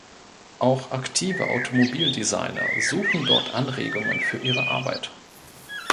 Auch aktive Automobil-Designer suchen dort Anregungen für ihre Arbeit.